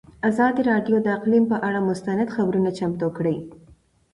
ازادي راډیو د اقلیم پر اړه مستند خپرونه چمتو کړې.